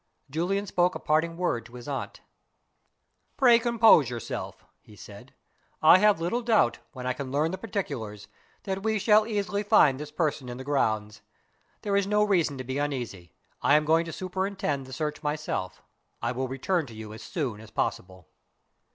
Julian spoke a parting word to his aunt. "Pray compose yourself," he said "I have little doubt, when I can learn the particulars, that we shall easily find this person in the grounds. There is no reason to be uneasy. I am going to superintend the search myself. I will return to you as soon as possible."